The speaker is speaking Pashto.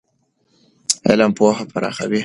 علم پوهه پراخوي.